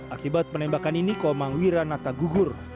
akibat penembakan ini komangwira nata gugur